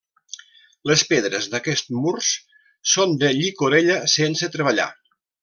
Les pedres d'aquests murs són de llicorella sense treballar.